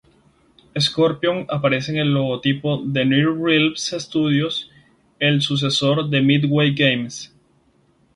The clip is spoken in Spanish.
Scorpion aparece en el logotipo de NetherRealm Studios, el sucesor de Midway Games.